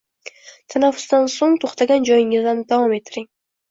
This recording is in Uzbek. Tanaffusdan soʻng toʻxtagan joyingizdan davom ettiring